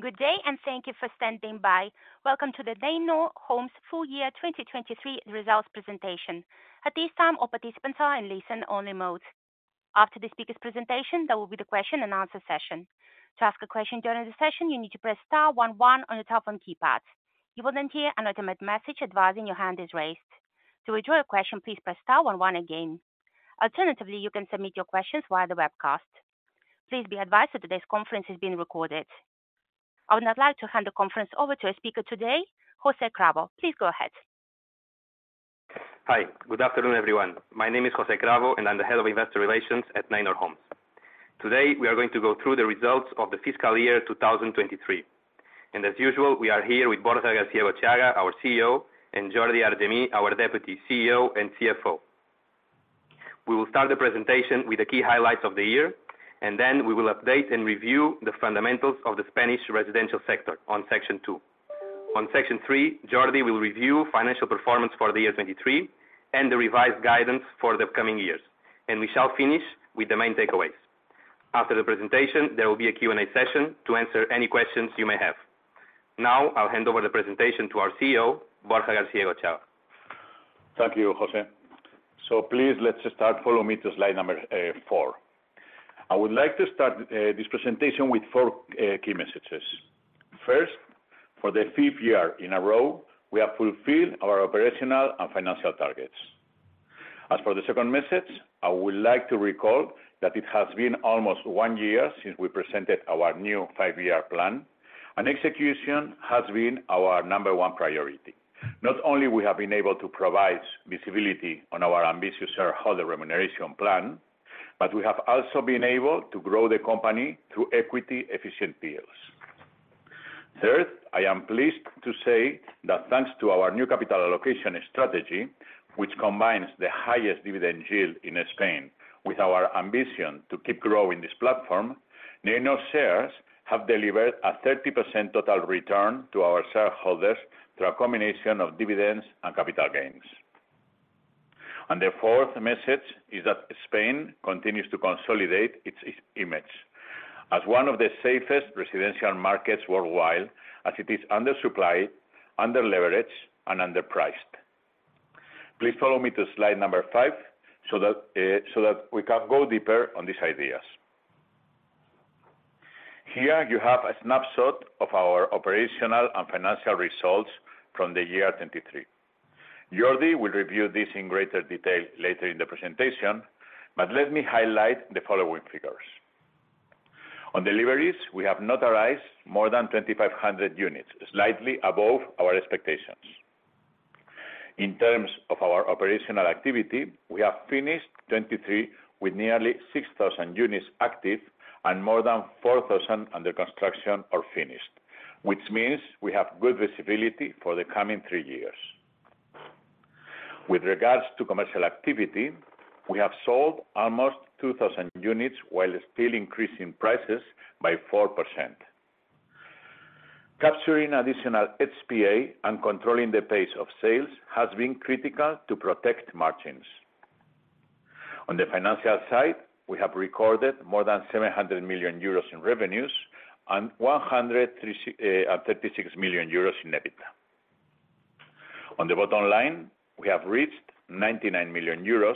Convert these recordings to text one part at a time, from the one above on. Good day, and thank you for standing by. Welcome to the Neinor Homes Full Year 2023 Results Presentation. At this time, all participants are in listen-only mode. After the speaker's presentation, there will be the question and answer session. To ask a question during the session, you need to press star one one on your telephone keypad. You will then hear an automated message advising your hand is raised. To withdraw your question, please press star one one again. Alternatively, you can submit your questions via the webcast. Please be advised that today's conference is being recorded. I would now like to hand the conference over to our speaker today, José Cravo. Please go ahead. Hi. Good afternoon, everyone. My name is José Cravo, and I'm the head of investor relations at Neinor Homes. Today, we are going to go through the results of the fiscal year 2023, and as usual, we are here with Borja García-Egotxeaga, our CEO, and Jordi Argemí, our Deputy CEO and CFO. We will start the presentation with the key highlights of the year, and then we will update and review the fundamentals of the Spanish residential sector on section two. On section three, Jordi will review financial performance for the year 2023 and the revised guidance for the coming years, and we shall finish with the main takeaways. After the presentation, there will be a Q&A session to answer any questions you may have. Now, I'll hand over the presentation to our CEO, Borja García-Egotxeaga. Thank you, José. So please let's start. Follow me to slide number four. I would like to start this presentation with four key messages. First, for the fifth year in a row, we have fulfilled our operational and financial targets. As for the second message, I would like to recall that it has been almost one year since we presented our new five-year plan, and execution has been our number one priority. Not only we have been able to provide visibility on our ambitious shareholder remuneration plan, but we have also been able to grow the company through equity-efficient deals. Third, I am pleased to say that thanks to our new capital allocation strategy, which combines the highest dividend yield in Spain with our ambition to keep growing this platform, Neinor shares have delivered a 30% total return to our shareholders through a combination of dividends and capital gains. The fourth message is that Spain continues to consolidate its image as one of the safest residential markets worldwide, as it is under-supplied, under-leveraged, and underpriced. Please follow me to slide number 5, so that we can go deeper on these ideas. Here you have a snapshot of our operational and financial results from the year 2023. Jordi will review this in greater detail later in the presentation, but let me highlight the following figures. On deliveries, we have notarized more than 2,500 units, slightly above our expectations. In terms of our operational activity, we have finished 2023 with nearly 6,000 units active and more than 4,000 under construction or finished, which means we have good visibility for the coming three years. With regards to commercial activity, we have sold almost 2,000 units while still increasing prices by 4%. Capturing additional HPA and controlling the pace of sales has been critical to protect margins. On the financial side, we have recorded more than 700 million euros in revenues and 103.6 million euros in EBITDA. On the bottom line, we have reached 99 million euros,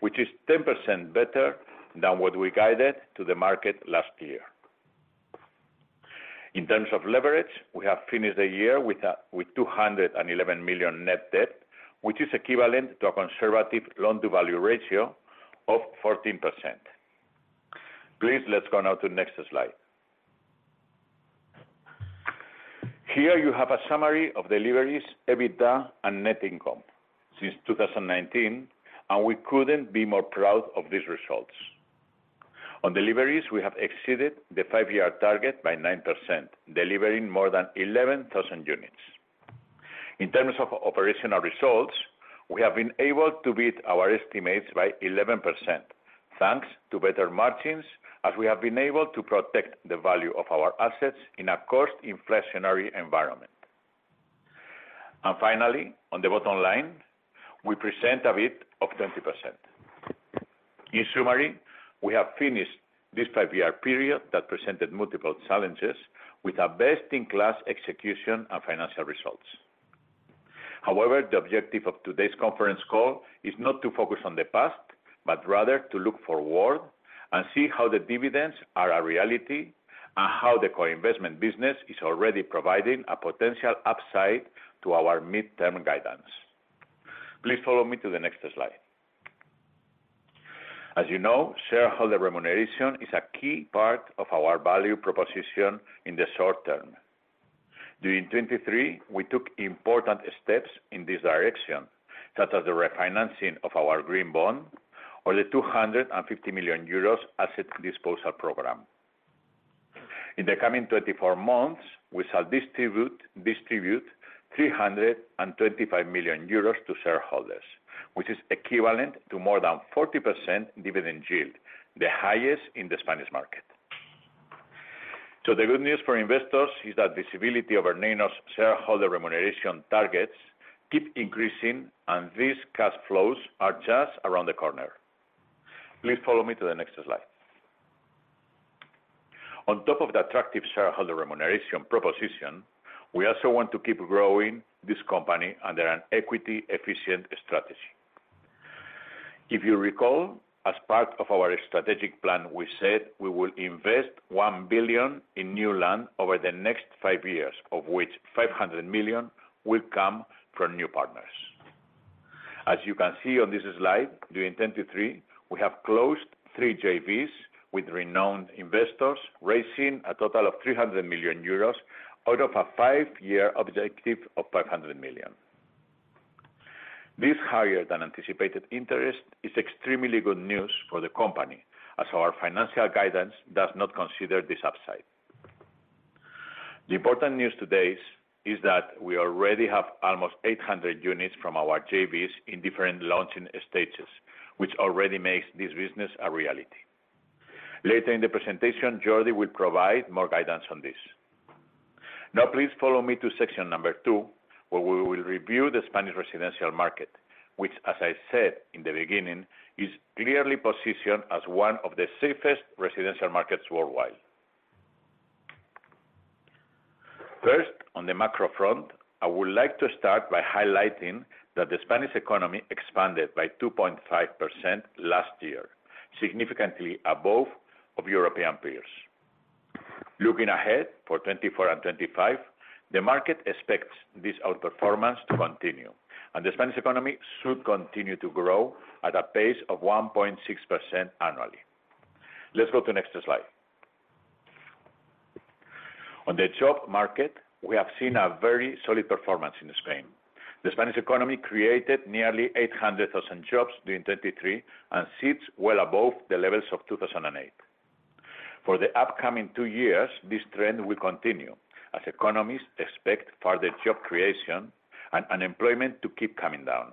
which is 10% better than what we guided to the market last year. In terms of leverage, we have finished the year with 211 million net debt, which is equivalent to a conservative loan-to-value ratio of 14%. Please, let's go now to next slide. Here you have a summary of deliveries, EBITDA, and net income since 2019, and we couldn't be more proud of these results. On deliveries, we have exceeded the five-year target by 9%, delivering more than 11,000 units. In terms of operational results, we have been able to beat our estimates by 11%, thanks to better margins, as we have been able to protect the value of our assets in a cost inflationary environment. Finally, on the bottom line, we've beaten it by 20%. In summary, we have finished this five-year period that presented multiple challenges with a best-in-class execution and financial results. However, the objective of today's conference call is not to focus on the past, but rather to look forward and see how the dividends are a reality and how the co-investment business is already providing a potential upside to our midterm guidance. Please follow me to the next slide. As you know, shareholder remuneration is a key part of our value proposition in the short term. During 2023, we took important steps in this direction, such as the refinancing of our green bond or the 250 million euros asset disposal program. In the coming 24 months, we shall distribute, distribute 325 million euros to shareholders, which is equivalent to more than 40% dividend yield, the highest in the Spanish market. So the good news for investors is that the stability of our Neinor’s shareholder remuneration targets keep increasing, and these cash flows are just around the corner. Please follow me to the next slide. On top of the attractive shareholder remuneration proposition, we also want to keep growing this company under an equity-efficient strategy. If you recall, as part of our strategic plan, we said we will invest 1 billion in new land over the next 5 years, of which 500 million will come from new partners. As you can see on this slide, during 2023, we have closed 3 JVs with renowned investors, raising a total of 300 million euros out of a 5-year objective of 500 million. This higher than anticipated interest is extremely good news for the company, as our financial guidance does not consider this upside. The important news today is that we already have almost 800 units from our JVs in different launching stages, which already makes this business a reality. Later in the presentation, Jordi will provide more guidance on this. Now, please follow me to section number 2, where we will review the Spanish residential market, which, as I said in the beginning, is clearly positioned as one of the safest residential markets worldwide. First, on the macro front, I would like to start by highlighting that the Spanish economy expanded by 2.5% last year, significantly above of European peers. Looking ahead for 2024 and 2025, the market expects this outperformance to continue, and the Spanish economy should continue to grow at a pace of 1.6% annually. Let's go to the next slide. On the job market, we have seen a very solid performance in Spain. The Spanish economy created nearly 800,000 jobs during 2023 and sits well above the levels of 2008. For the upcoming two years, this trend will continue as economies expect further job creation and unemployment to keep coming down.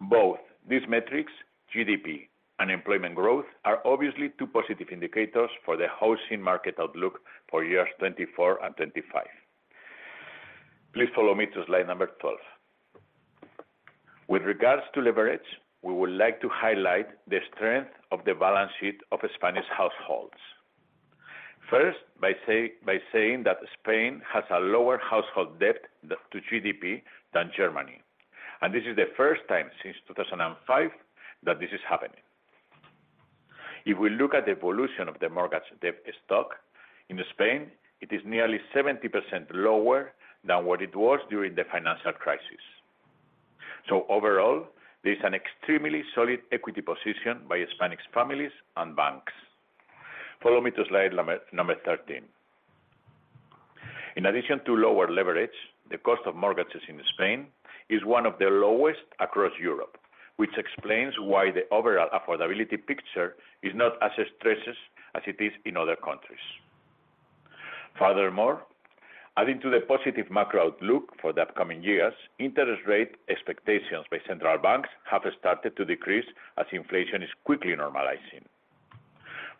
Both these metrics, GDP and employment growth, are obviously two positive indicators for the housing market outlook for years 2024 and 2025. Please follow me to slide number 12. With regards to leverage, we would like to highlight the strength of the balance sheet of Spanish households. First, by saying that Spain has a lower household debt to GDP than Germany, and this is the first time since 2005 that this is happening. If we look at the evolution of the mortgage debt stock, in Spain, it is nearly 70% lower than what it was during the financial crisis. So overall, there is an extremely solid equity position by Spanish families and banks. Follow me to slide number 13. In addition to lower leverage, the cost of mortgages in Spain is one of the lowest across Europe, which explains why the overall affordability picture is not as stressed as it is in other countries. Furthermore, adding to the positive macro outlook for the upcoming years, interest rate expectations by central banks have started to decrease as inflation is quickly normalizing.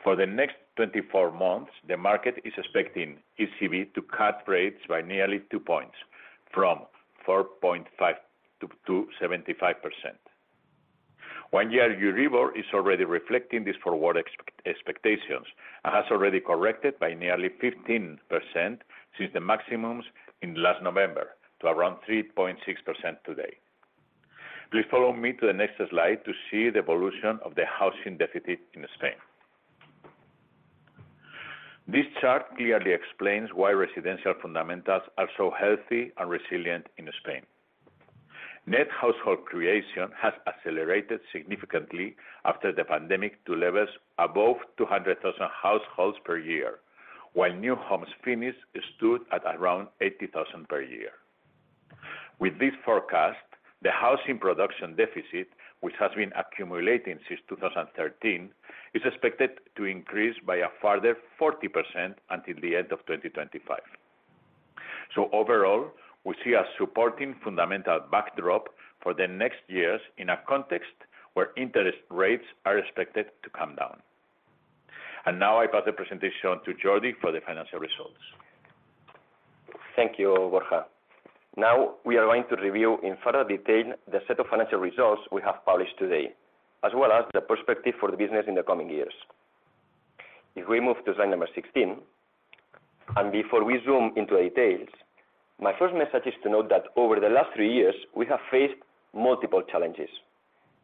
For the next 24 months, the market is expecting ECB to cut rates by nearly two points, from 4.5% to 2.75%. One-year Euribor is already reflecting these forward expectations and has already corrected by nearly 15% since the maximums in last November, to around 3.6% today. Please follow me to the next slide to see the evolution of the housing deficit in Spain. This chart clearly explains why residential fundamentals are so healthy and resilient in Spain. Net household creation has accelerated significantly after the pandemic to levels above 200,000 households per year, while new homes finished stood at around 80,000 per year. With this forecast, the housing production deficit, which has been accumulating since 2013, is expected to increase by a further 40% until the end of 2025. So overall, we see a supporting fundamental backdrop for the next years in a context where interest rates are expected to come down. Now I pass the presentation to Jordi for the financial results. Thank you, Borja. Now we are going to review in further detail the set of financial results we have published today, as well as the perspective for the business in the coming years. If we move to slide number 16, and before we zoom into details, my first message is to note that over the last three years, we have faced multiple challenges,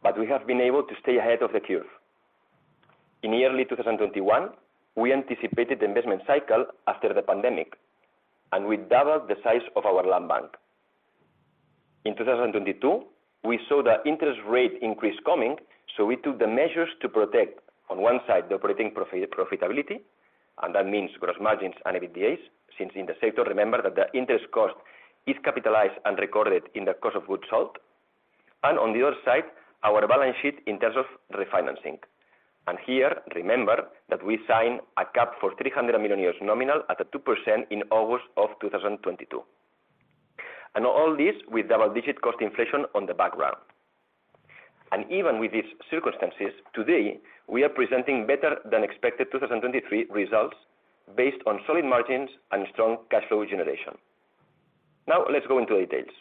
but we have been able to stay ahead of the curve. In early 2021, we anticipated the investment cycle after the pandemic, and we doubled the size of our land bank. In 2022, we saw the interest rate increase coming, so we took the measures to protect, on one side, the operating profitability, and that means gross margins and EBITDAs. Since in the sector, remember that the interest cost is capitalized and recorded in the cost of goods sold. On the other side, our balance sheet in terms of refinancing. Here, remember that we signed a cap for 300 million euros nominal at 2% in August of 2022. All this with double-digit cost inflation on the background... Even with these circumstances, today, we are presenting better than expected 2023 results based on solid margins and strong cash flow generation. Now, let's go into the details.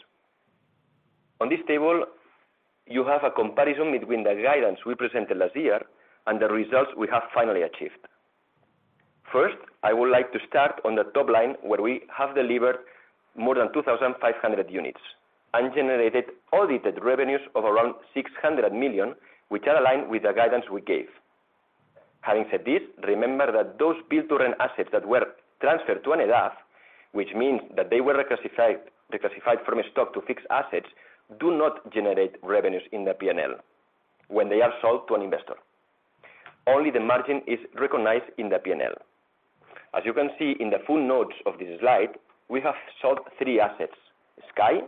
On this table, you have a comparison between the guidance we presented last year and the results we have finally achieved. First, I would like to start on the top line, where we have delivered more than 2,500 units and generated audited revenues of around 600 million, which are aligned with the guidance we gave. Having said this, remember that those build to rent assets that were transferred to an EDAV, which means that they were reclassified, reclassified from stock to fixed assets, do not generate revenues in the P&L when they are sold to an investor. Only the margin is recognized in the P&L. As you can see in the full notes of this slide, we have sold three assets: Sky,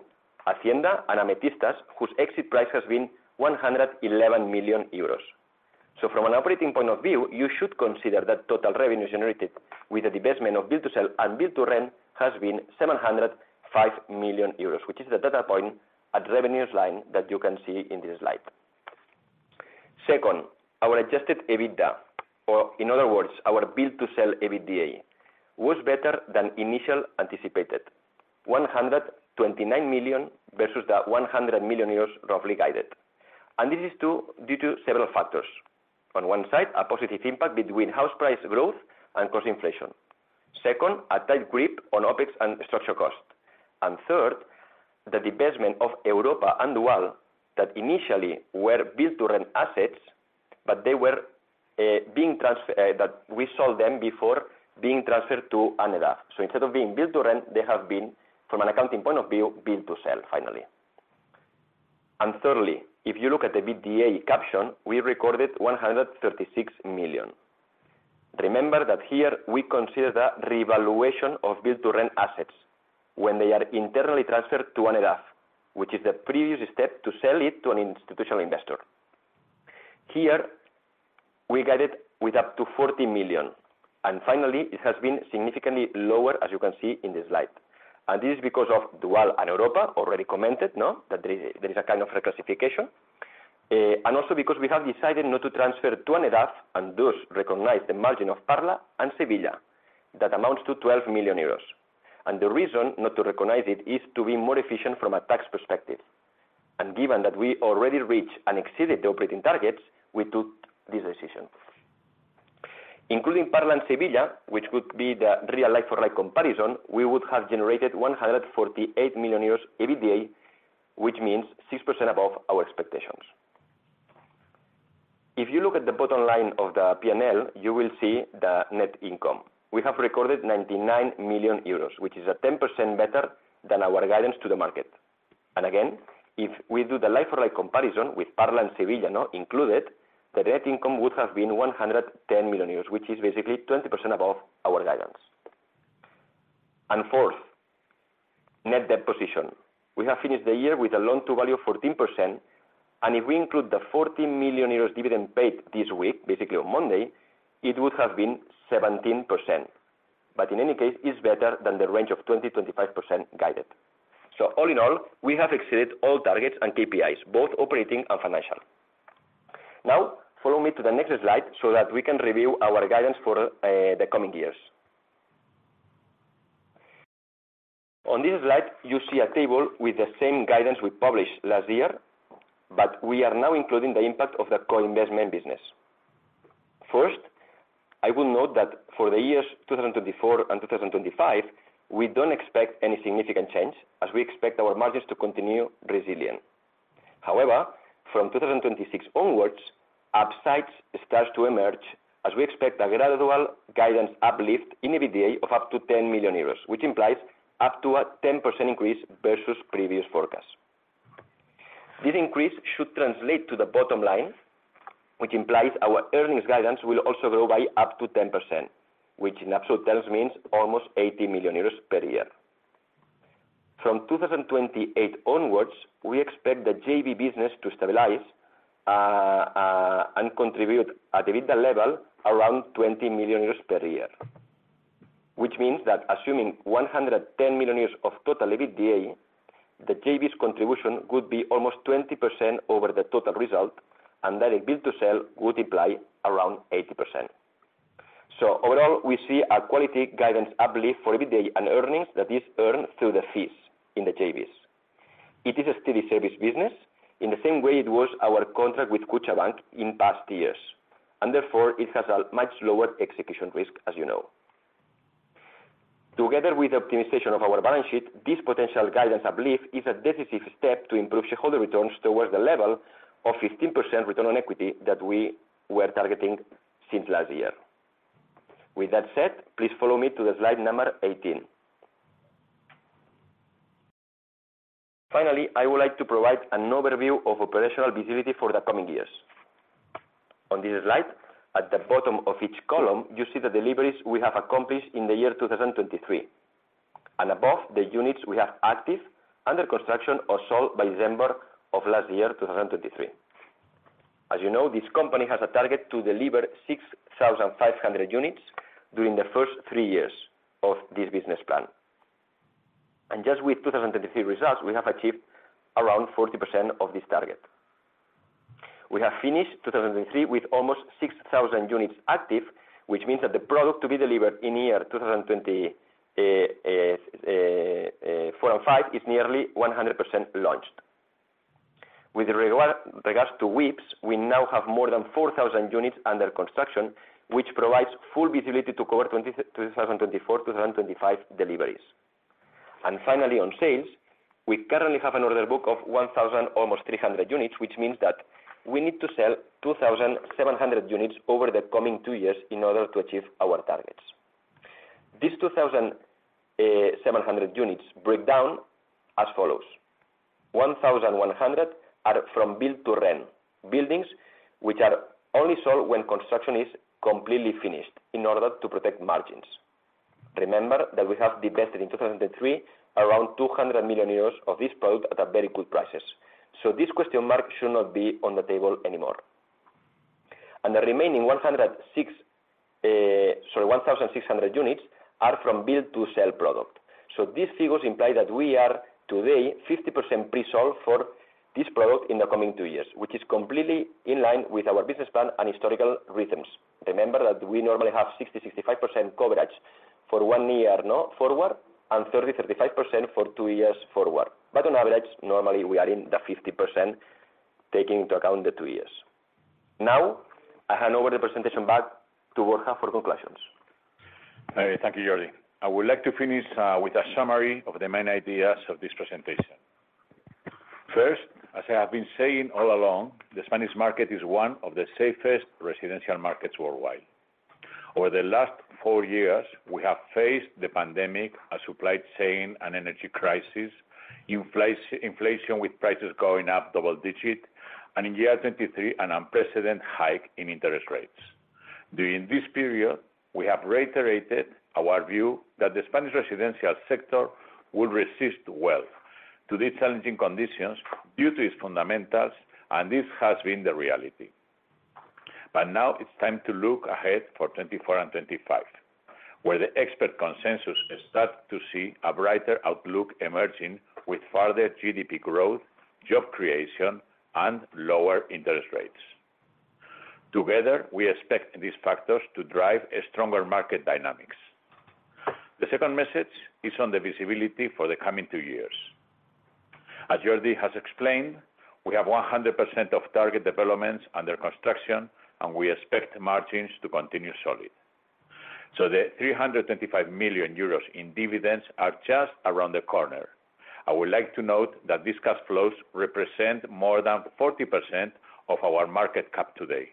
Hacienda, and Ametistas, whose exit price has been 111 million euros. So from an operating point of view, you should consider that total revenue generated with the divestment of build to sell and build to rent has been 705 million euros, which is the data point at revenues line that you can see in this slide. Second, our adjusted EBITDA, or in other words, our build to sell EBITDA, was better than initial anticipated, 129 million versus the 100 million euros roughly guided. And this is due to several factors. On one side, a positive impact between house price growth and cost inflation. Second, a tight grip on OpEx and structural cost. And third, the divestment of Europa and Dual, that initially were build to rent assets, but they were, that we sold them before being transferred to an EDAV. So instead of being build to rent, they have been, from an accounting point of view, build to sell finally. And thirdly, if you look at the EBITDA caption, we recorded 136 million. Remember that here we consider the revaluation of build-to-rent assets when they are internally transferred to an EDAV, which is the previous step to sell it to an institutional investor. Here, we got it with up to 40 million, and finally, it has been significantly lower, as you can see in this slide. And this is because of Dual and Europa, already commented, no? That there is, there is a kind of reclassification, and also because we have decided not to transfer to an EDAV, and thus recognize the margin of Parla and Sevilla. That amounts to 12 million euros. And the reason not to recognize it is to be more efficient from a tax perspective. And given that we already reached and exceeded the operating targets, we took this decision. Including Parla and Sevilla, which would be the real like-for-like comparison, we would have generated 148 million euros EBITDA, which means 6% above our expectations. If you look at the bottom line of the P&L, you will see the net income. We have recorded 99 million euros, which is 10% better than our guidance to the market. And again, if we do the like-for-like comparison with Parla and Sevilla now included, the net income would have been 110 million euros, which is basically 20% above our guidance. And fourth, net debt position. We have finished the year with a loan-to-value 14%, and if we include the 40 million euros dividend paid this week, basically on Monday, it would have been 17%. But in any case, it's better than the 20%-25% range guided. So all in all, we have exceeded all targets and KPIs, both operating and financial. Now, follow me to the next slide so that we can review our guidance for the coming years. On this slide, you see a table with the same guidance we published last year, but we are now including the impact of the co-investment business. First, I will note that for the years 2024 and 2025, we don't expect any significant change, as we expect our margins to continue resilient. However, from 2026 onwards, upsides starts to emerge, as we expect a gradual guidance uplift in EBITDA of up to 10 million euros, which implies up to a 10% increase versus previous forecast. This increase should translate to the bottom line, which implies our earnings guidance will also grow by up to 10%, which in absolute terms means almost 80 million euros per year. From 2028 onwards, we expect the JV business to stabilize, and contribute at EBITDA level around 20 million euros per year. Which means that assuming 110 million euros of total EBITDA, the JV's contribution would be almost 20% over the total result, and that a build to sell would imply around 80%. So overall, we see a quality guidance uplift for EBITDA and earnings that is earned through the fees in the JVs. It is a steady service business, in the same way it was our contract with Kutxabank in past years, and therefore it has a much lower execution risk, as you know. Together with optimization of our balance sheet, this potential guidance uplift is a decisive step to improve shareholder returns towards the level of 15% return on equity that we were targeting since last year. With that said, please follow me to the slide number 18. Finally, I would like to provide an overview of operational visibility for the coming years. On this slide, at the bottom of each column, you see the deliveries we have accomplished in the year 2023, and above, the units we have active under construction or sold by December of last year, 2023. As you know, this company has a target to deliver 6,500 units during the first three years of this business plan.... And just with 2023 results, we have achieved around 40% of this target. We have finished 2023 with almost 6,000 units active, which means that the product to be delivered in year 2024 and 2025 is nearly 100% launched. With regards to WIPs, we now have more than 4,000 units under construction, which provides full visibility to cover 2024, 2025 deliveries. And finally, on sales, we currently have an order book of almost 1,300 units, which means that we need to sell 2,700 units over the coming two years in order to achieve our targets. These 2,700 units break down as follows: 1,100 are from build-to-rent buildings, which are only sold when construction is completely finished in order to protect margins. Remember that we have invested in 2023, around 200 million euros of this product at a very good prices, so this question mark should not be on the table anymore. The remaining 1,600 units are from build to sell product. So these figures imply that we are today 50% pre-sold for this product in the coming two years, which is completely in line with our business plan and historical rhythms. Remember that we normally have 60%-65% coverage for one year, no, forward, and 30%-35% for two years forward. But on average, normally we are in the 50%, taking into account the two years. Now, I hand over the presentation back to Borja for conclusions. Thank you, Jordi. I would like to finish with a summary of the main ideas of this presentation. First, as I have been saying all along, the Spanish market is one of the safest residential markets worldwide. Over the last four years, we have faced the pandemic, a supply chain and energy crisis, inflation, with prices going up double-digit, and in year 2023, an unprecedented hike in interest rates. During this period, we have reiterated our view that the Spanish residential sector will resist well to these challenging conditions due to its fundamentals, and this has been the reality. But now it's time to look ahead for 2024 and 2025, where the expert consensus starts to see a brighter outlook emerging with further GDP growth, job creation, and lower interest rates. Together, we expect these factors to drive a stronger market dynamics. The second message is on the visibility for the coming two years. As Jordi has explained, we have 100% of target developments under construction, and we expect margins to continue solid. So the 325 million euros in dividends are just around the corner. I would like to note that these cash flows represent more than 40% of our market cap today.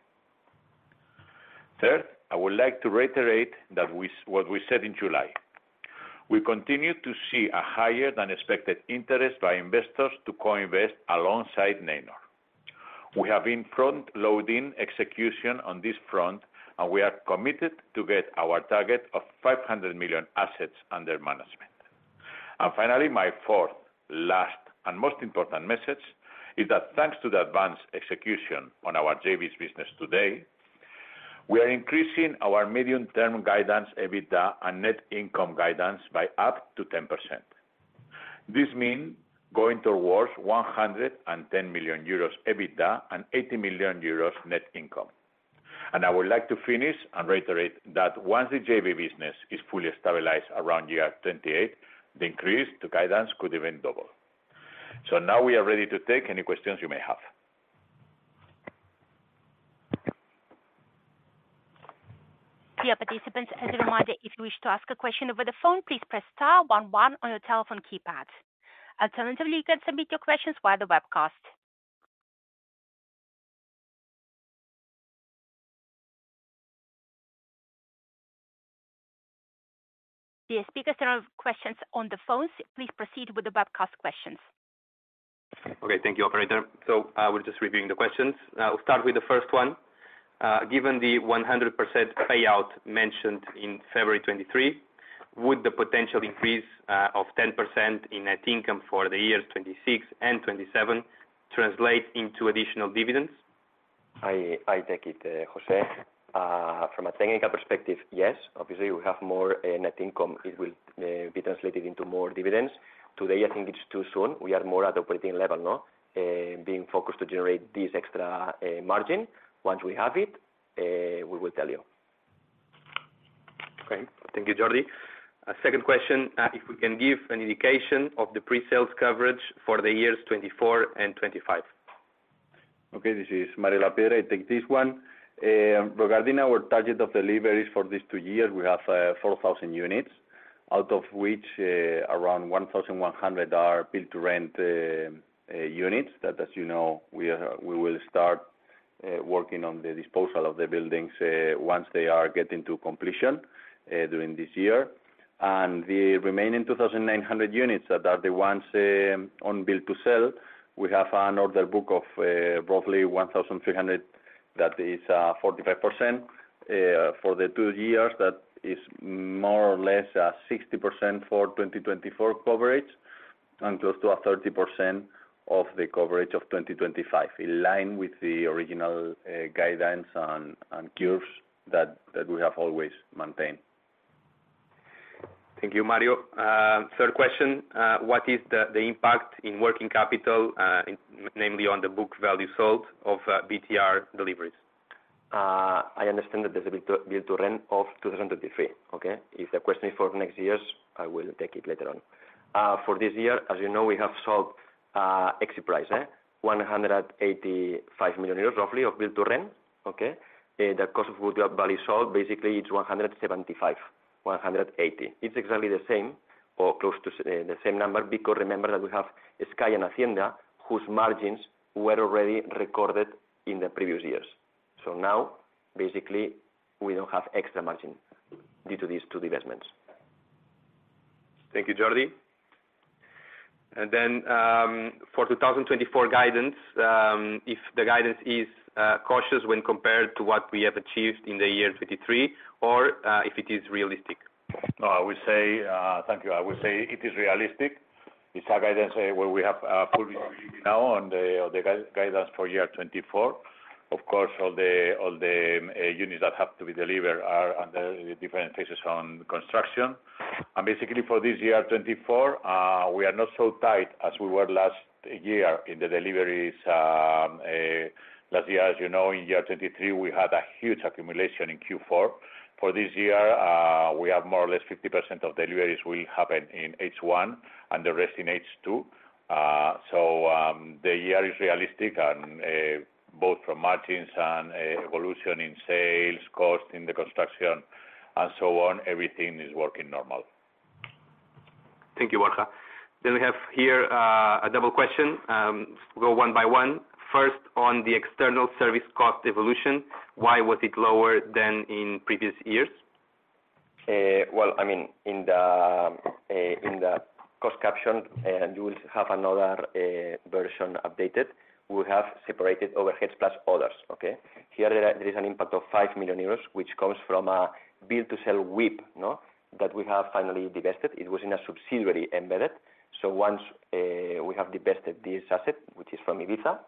Third, I would like to reiterate that we said what we said in July. We continue to see a higher than expected interest by investors to co-invest alongside Neinor. We have been front-loading execution on this front, and we are committed to get our target of 500 million assets under management. Finally, my fourth, last, and most important message is that thanks to the advanced execution on our JVs business today, we are increasing our medium-term guidance, EBITDA, and net income guidance by up to 10%. This mean going towards 110 million euros EBITDA and 80 million euros net income. And I would like to finish and reiterate that once the JV business is fully stabilized around 2028, the increase to guidance could even double. So now we are ready to take any questions you may have. Dear participants, as a reminder, if you wish to ask a question over the phone, please press star one one on your telephone keypad. Alternatively, you can submit your questions via the webcast. The speakers, there are questions on the phones. Please proceed with the webcast questions. Okay. Thank you, operator. So I was just reviewing the questions. I'll start with the first one. Given the 100% payout mentioned in February 2023, would the potential increase of 10% in net income for the years 2026 and 2027 translate into additional dividends? I take it, José. From a technical perspective, yes. Obviously, we have more net income. It will be translated into more dividends. Today, I think it's too soon. We are more at operating level, no, being focused to generate this extra margin. Once we have it, we will tell you. Great. Thank you, Jordi. Second question, if we can give an indication of the pre-sales coverage for the years 2024 and 2025. Okay, this is Mario Lapiedra, I take this one. Regarding our target of deliveries for these two years, we have 4,000 units, out of which around 1,100 are build-to-rent units. That as you know, we will start working on the disposal of the buildings once they are getting to completion during this year. The remaining 2,900 units, that are the ones on build to sell, we have an order book of roughly 1,300. That is 45%. For the two years, that is more or less 60% for 2024 coverage.... and close to 30% of the coverage of 2025, in line with the original guidelines on curves that we have always maintained. Thank you, Mario. Third question, what is the impact in working capital, namely on the book value sold of BTR deliveries? I understand that there's a bit to build to rent of 2023, okay? If the question is for next years, I will take it later on. For this year, as you know, we have sold, exit price, 185 million euros, roughly, of build to rent, okay? The cost of value sold, basically it's 175 million-180 million. It's exactly the same or close to the same number, because remember that we have Sky and Hacienda, whose margins were already recorded in the previous years. So now, basically, we don't have extra margin due to these two divestments. Thank you, Jordi. And then, for 2024 guidance, if the guidance is cautious when compared to what we have achieved in the year 2023, or if it is realistic? Thank you. I would say it is realistic. It's a guidance where we have fully now on the guidance for year 2024. Of course, all the units that have to be delivered are under the different phases on construction. And basically for this year, 2024, we are not so tight as we were last year in the deliveries. Last year, as you know, in year 2023, we had a huge accumulation in Q4. For this year, we have more or less 50% of deliveries will happen in H1 and the rest in H2. So, the year is realistic and both from margins and evolution in sales, cost in the construction, and so on, everything is working normal. Thank you, Borja. Then we have here, a double question. Go one by one. First, on the external service cost evolution, why was it lower than in previous years? Well, I mean, in the, in the cost caption, you will have another, version updated. We have separated overheads plus others, okay? Here, there, there is an impact of 5 million euros, which comes from a build-to-sell WIP that we have finally divested. It was in a subsidiary embedded. So once, we have divested this asset, which is from Ibiza,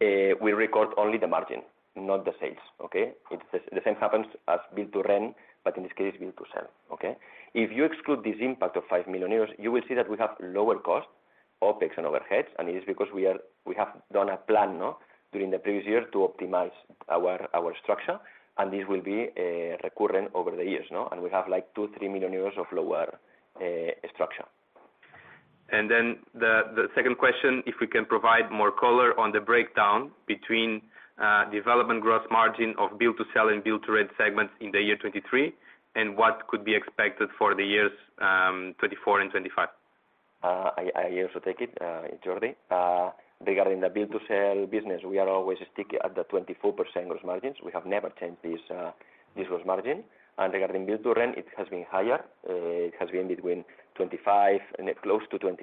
we record only the margin, not the sales, okay? It's the, the same happens as build-to-rent, but in this case, build-to-sell, okay? If you exclude this impact of 5 million euros, you will see that we have lower cost OpEx and overheads, and it is because we have done a plan, no, during the previous year to optimize our, our structure, and this will be, recurrent over the years, no? We have, like, 2 million-3 million euros of lower structure. Then the second question, if we can provide more color on the breakdown between development gross margin of build to sell and build to rent segments in the year 2023, and what could be expected for the years 2024 and 2025. I also take it, Jordi. Regarding the build to sell business, we are always sticky at the 24% gross margins. We have never changed this gross margin. And regarding build to rent, it has been higher. It has been between 25% and close to 26%.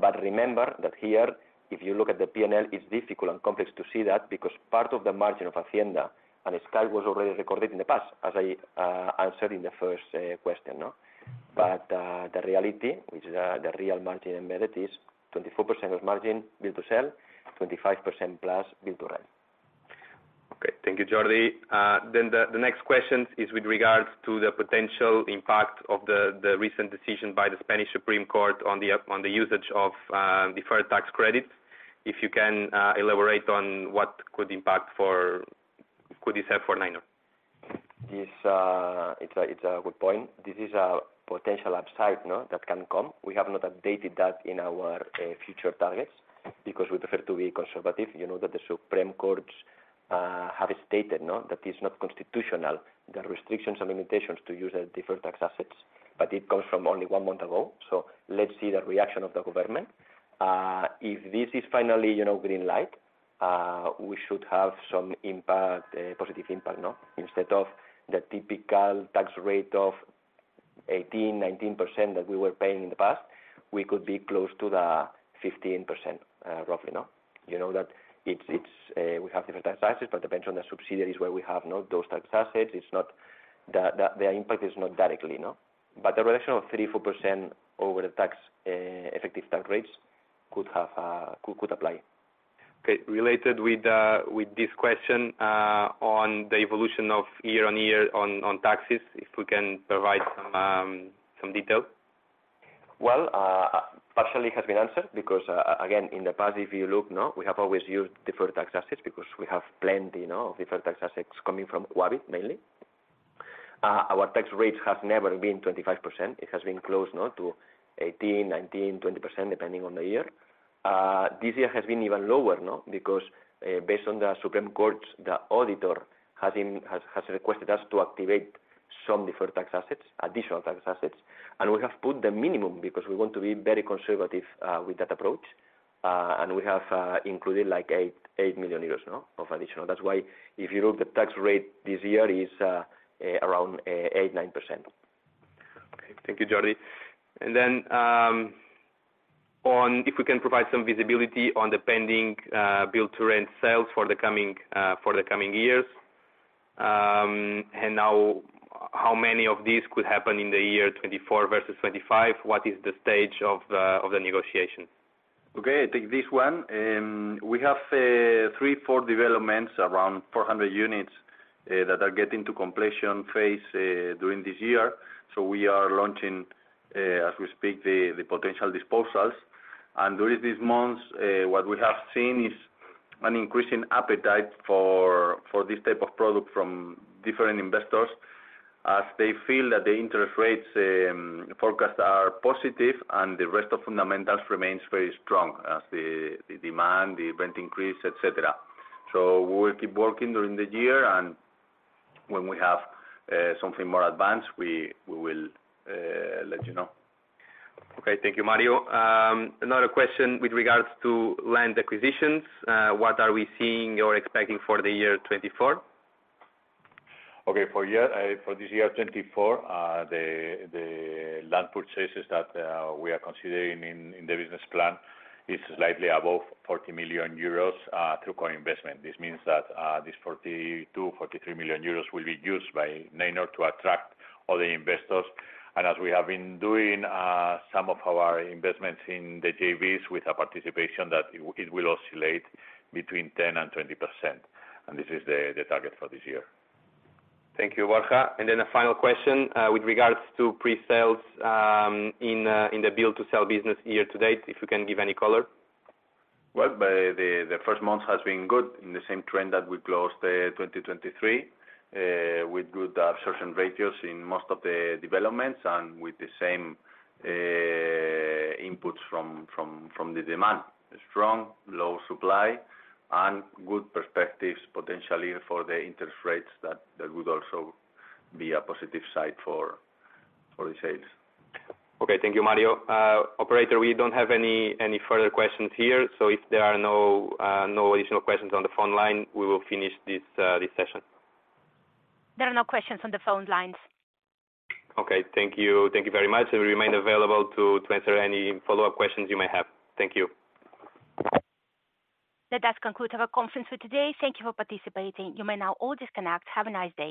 But remember that here, if you look at the P&L, it's difficult and complex to see that because part of the margin of Hacienda and Sky was already recorded in the past, as I answered in the first question, no? But, the reality, which is, the real margin embedded, is 24% of margin build to sell, 25%+ build to rent. Okay. Thank you, Jordi. Then the next question is with regards to the potential impact of the recent decision by the Spanish Supreme Court on the usage of deferred tax credits. If you can elaborate on what impact this could have for Neinor. This, it's a good point. This is a potential upside, no, that can come. We have not updated that in our future targets because we prefer to be conservative. You know, that the Supreme Courts have stated, no, that it's not constitutional, there are restrictions and limitations to use the different tax assets, but it comes from only one month ago, so let's see the reaction of the government. If this is finally, you know, green light, we should have some impact, positive impact, no? Instead of the typical tax rate of 18%-19% that we were paying in the past, we could be close to the 15%, roughly, no? You know, that it's, we have different tax assets, but depends on the subsidiaries where we have, no, those tax assets. It's not... Their impact is not directly, no? But the reduction of 3%-4% over the tax effective tax rates could have could apply. Okay. Related with this question on the evolution of year-on-year on taxes, if we can provide some detail. Well, partially has been answered, because, again, in the past, if you look, no, we have always used different tax assets because we have plenty, you know, different tax assets coming from Habitat, mainly. Our tax rate has never been 25%. It has been close, no, to 18%, 19%, 20%, depending on the year. This year has been even lower, no, because, based on the Supreme Court, the auditor has requested us to activate some deferred tax assets, additional tax assets. And we have put the minimum because we want to be very conservative with that approach. And we have included, like, 8 million euros, no, of additional. That's why if you look, the tax rate this year is around 8%-9%. Okay. Thank you, Jordi. And then, on if we can provide some visibility on the pending build to rent sales for the coming years? And now, how many of these could happen in the year 2024 versus 2025? What is the stage of the negotiation? Okay, I take this one. We have 3, 4 developments, around 400 units, that are getting to completion phase during this year. So we are launching, as we speak, the potential disposals. During these months, what we have seen is an increasing appetite for this type of product from different investors, as they feel that the interest rates forecast are positive and the rest of fundamentals remains very strong as the demand, the rent increase, et cetera. So we will keep working during the year, and when we have something more advanced, we will let you know. Okay. Thank you, Mario. Another question with regards to land acquisitions. What are we seeing or expecting for the year 2024? Okay, for this year, 2024, the land purchases that we are considering in the business plan is slightly above 40 million euros through core investment. This means that this 42-43 million euros will be used by Neinor to attract all the investors. And as we have been doing, some of our investments in the JVs with a participation that it will oscillate between 10%-20%, and this is the target for this year. Thank you, Borja. And then a final question, with regards to pre-sales, in the build-to-sell business year to date, if you can give any color. Well, the first month has been good, in the same trend that we closed 2023, with good absorption ratios in most of the developments and with the same inputs from the demand. Strong, low supply, and good perspectives, potentially for the interest rates that would also be a positive side for the sales. Okay. Thank you, Mario. Operator, we don't have any further questions here, so if there are no additional questions on the phone line, we will finish this session. There are no questions on the phone lines. Okay. Thank you. Thank you very much, and we remain available to answer any follow-up questions you may have. Thank you. That does conclude our conference for today. Thank you for participating. You may now all disconnect. Have a nice day.